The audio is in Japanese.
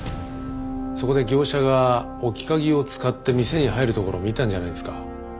そこで業者が置き鍵を使って店に入るところを見たんじゃないですか？